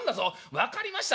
「分かりました。